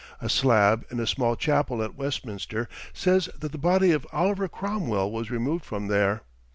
A slab in a small chapel at Westminster says that the body of Oliver Cromwell was removed from there.